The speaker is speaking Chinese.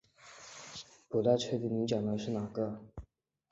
不太确定你讲的是哪个